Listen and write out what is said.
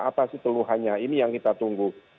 apa sih teluhannya ini yang kita tunggu